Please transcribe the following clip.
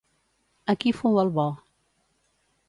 Aquí fou el bo.